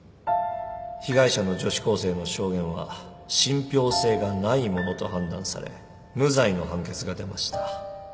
被害者の女子高生の証言は信ぴょう性がないものと判断され無罪の判決が出ました。